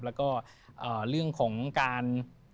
แล้วก็เรื่องของการ